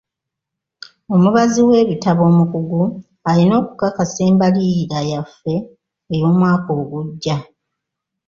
Omubazi w'ebitabo omukugu alina okukakasa embalirira yaffe ey'omwaka ogujja.